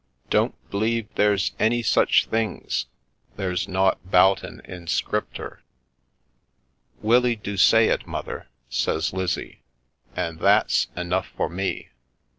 Don't blieve there's any such things, there's naught *bout 'en in ScripturV ' Willie do say it, mother/ says Lizzie, ' an' that's enough for me.'